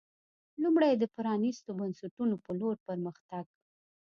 لومړی د پرانېستو بنسټونو په لور پر مخ تګ